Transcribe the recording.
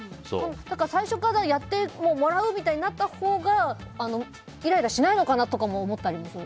最初からやってもらうみたいになったほうがイライラしないのかなとかも思ったりもする。